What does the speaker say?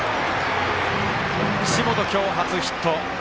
岸本、今日、初ヒット！